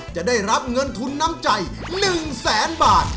จะได้รับเงินทุนน้ำใจ๑แสนบาท